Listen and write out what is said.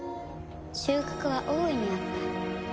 収穫は大いにあった。